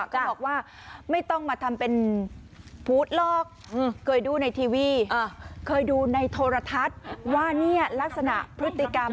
ก็บอกว่าไม่ต้องมาทำเป็นพูธหรอกเคยดูในทีวีเคยดูในโทรทัศน์ว่าเนี่ยลักษณะพฤติกรรม